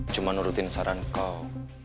cuma nurutin saran kau